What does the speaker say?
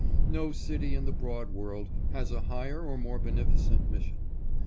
"No city in the broad world has a higher or more beneficent mission.